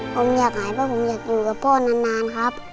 ผมอยากหายเพราะผมอยากอยู่กับพ่อนานครับ